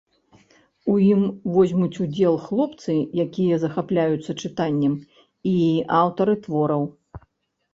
У ім возьмуць удзел хлопцы, якія захапляюцца чытаннем, і аўтары твораў.